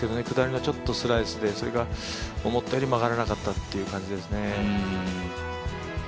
下りのちょっとスライスでそれが思ったよりも上がらなかったという感じですね。